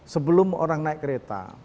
sebelum orang naik kereta